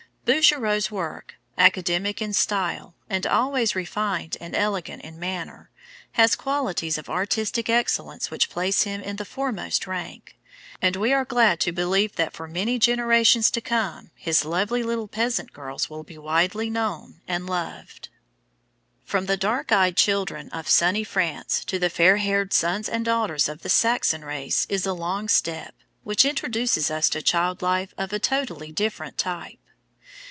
Bouguereau's work, academic in style, and always refined and elegant in manner, has qualities of artistic excellence which place him in the foremost rank; and we are glad to believe that for many generations to come his lovely little peasant girls will be widely known and loved. [Illustration: CHILD HEAD. BOUGUEREAU.] From the dark eyed children of sunny France to the fair haired sons and daughters of the Saxon race is a long step, which introduces us to child life of a totally different type.